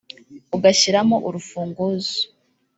ugashyiramo urufunguzo